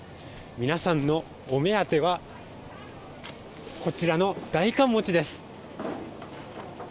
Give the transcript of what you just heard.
皆さんのお目当ては、こちらの代官餅です。